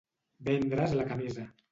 Vendre's la camisa.